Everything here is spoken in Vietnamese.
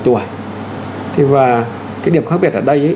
thế và cái điểm khác biệt ở đây